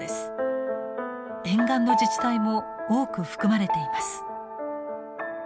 沿岸の自治体も多く含まれています。